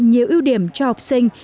nhiều ưu điểm cho học sinh